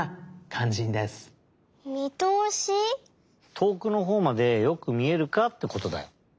とおくのほうまでよくみえるかってことだよ。